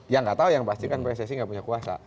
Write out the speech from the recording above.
yang nggak tahu yang pasti kan pssi nggak punya kuasa